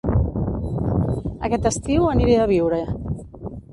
Aquest estiu aniré a Biure